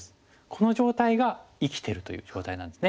この状態が生きてるという状態なんですね。